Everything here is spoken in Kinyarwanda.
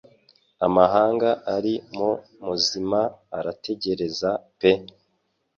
Amahanga ari muzima arategereza pe